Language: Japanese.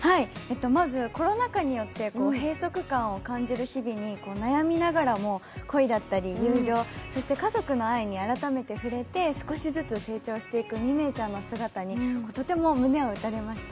まずコロナ禍によって閉塞感を感じる日々に悩みながらも恋だったり友情、そして家族の愛に改めて触れて、少しずつ成長していく未明ちゃんの姿にとても胸を打たれました。